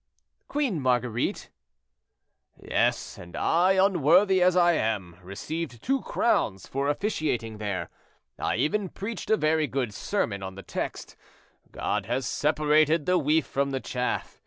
"Queen Marguerite?" "Yes; and I, unworthy as I am, received two crowns for officiating there; I even preached a very good sermon on the text, 'God has separated the wheat from the chaff.'